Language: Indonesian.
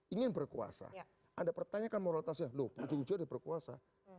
ingin berkuasa anda pertanyakan moralitasnya loh punjuan punjuan dia berkuasa